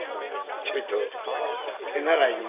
ちょいと手習いにね。